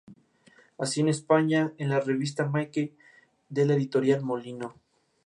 Los Bambús no viven aquí y mueren carbonizados.